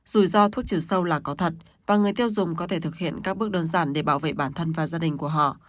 rủi ro thuốc trừ sâu là có thật và người tiêu dùng có thể thực hiện các bước đơn giản để bảo vệ bản thân và gia đình của họ